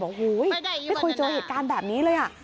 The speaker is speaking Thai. โอ้โหไม่เคยเจอเหตุการณ์แบบนี้เลย